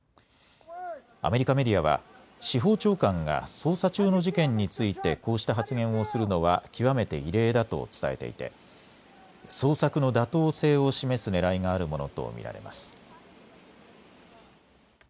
アメリカメディアは司法長官が捜査中の事件についてこうした発言をするのは極めて異例だと伝えていて捜索の妥当性を示すねらいがあるものと見られます。